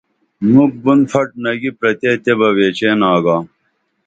مُکھ بُن پھٹ نگی پرتے تیبہ ویچین آگا